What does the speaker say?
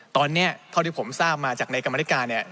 ตอนนี้ที่ผมทราบมาจากในกรรมริการ